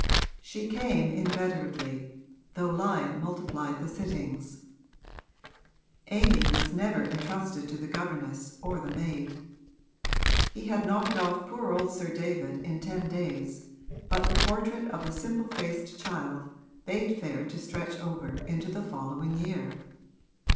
She came inveterately, though Lyon multiplied the sittings: Amy was never entrusted to the governess or the maid. He had knocked off poor old Sir David in ten days, but the portrait of the simple faced child bade fair to stretch over into the following year.